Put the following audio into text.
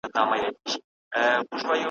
د زاهد له قصده راغلم د زُنار تر پیوندونو `